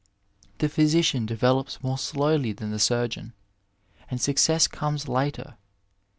The ph}rsician develops more slowly than the su^eon, and success comes later.